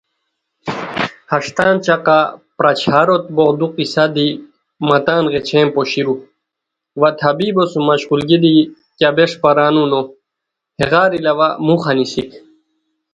ہݰتانچقہ پراچھارو ت بوغدوؤ قصہ دی مہ تان غیچھین پوشیرو وا طبیبو سُم مشقولگی دی کیہ بیݰ پرانو نوہیغار علاوہ موخہ نیسیک